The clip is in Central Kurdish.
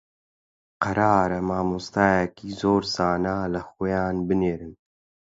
قەرارە مامۆستایەکی زۆر زانا لە خۆیان بنێرن